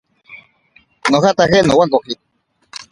Nojataje nowankoki.